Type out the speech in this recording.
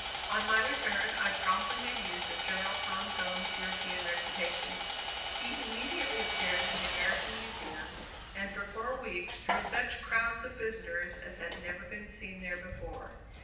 On my return, I promptly made use of General Tom Thumb's European reputation. He immediately appeared in the American Museum, and for four weeks drew such crowds of visitors as had never been seen there before.